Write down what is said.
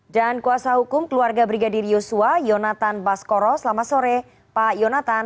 dan kuasa hukum keluarga brigadir yosua yonatan baskoro selamat sore pak yonatan